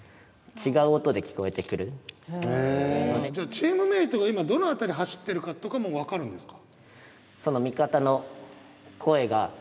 チームメートが今どの辺り走ってるかとかも分かるんですか？